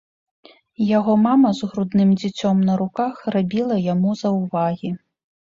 Яго мама з грудным дзіцём на руках рабіла яму заўвагі.